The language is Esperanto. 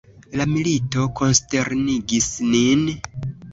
La milito konsternigis nin.